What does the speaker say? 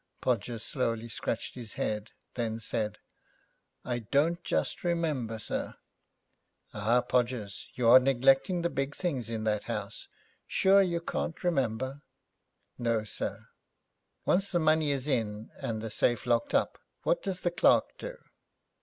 Podgers slowly scratched his head, then said, 'I don't just remember, sir.' 'Ah, Podgers, you are neglecting the big things in that house. Sure you can't remember?' 'No, sir.' 'Once the money is in and the safe locked up, what does the clerk do?'